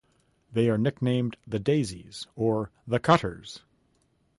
They are nicknamed "The Daisies" or "The Cutters".